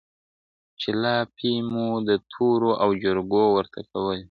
چي لاپي مو د تورو او جرګو ورته کولې،